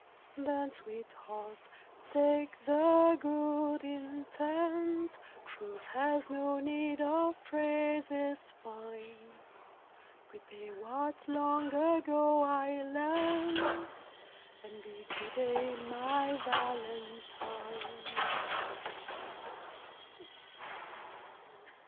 Then, sweetheart, take the good intent Truth has no need of phrases fine Repay what long ago I lent, And be to day my Valentine.